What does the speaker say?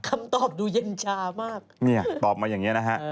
คำตอบดูเย็นชามาก